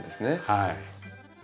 はい。